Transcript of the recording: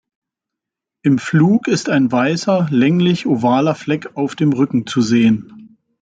Im Flug ist ein weißer, länglich ovaler Fleck auf dem Rücken zu sehen.